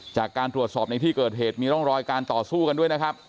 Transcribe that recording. จากการตรวจสอบในที่เกิดเหตุมีร่องรอยการต่อสู้กันด้วยนะครับ